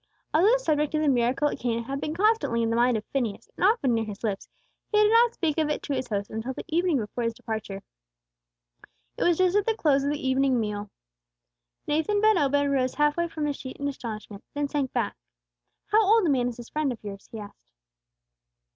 Although the subject of the miracle at Cana had been constantly in the mind of Phineas, and often near his lips, he did not speak of it to his host until the evening before his departure. It was just at the close of the evening meal. Nathan ben Obed rose half way from his seat in astonishment, then sank back. "How old a man is this friend of yours?" he asked.